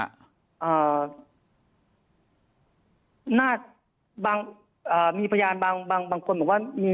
อ่าหน้าบางมีพยานบางคนบอกว่า